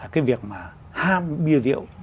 cái việc mà ham bia rượu